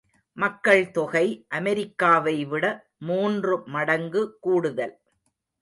மக்கள் தொகை அமெரிக்காவை விட மூன்று மடங்கு கூடுதல்.